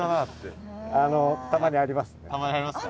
たまにありますか？